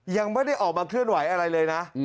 ยังไม่ได้ออกมาเคลื่อนไหวอะไรเลยนะ